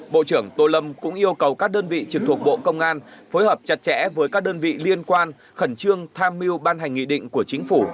bộ trưởng tô lâm cũng yêu cầu các đơn vị trực thuộc bộ công an phối hợp chặt chẽ với các đơn vị liên quan khẩn trương tham mưu ban hành nghị định của chính phủ